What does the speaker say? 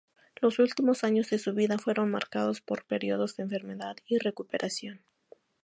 Los últimos años de su vida fueron marcados por periodos de enfermedad y recuperación.